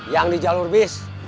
yang di jalur bis